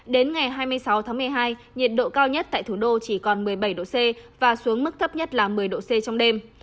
đến ngày hai mươi sáu tháng một mươi hai nhiệt độ cao nhất tại thủ đô chỉ còn một mươi bảy độ c và xuống mức thấp nhất là một mươi độ c trong đêm